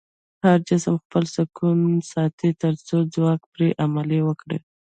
هر جسم خپل سکون ساتي تر څو ځواک پرې عمل وکړي.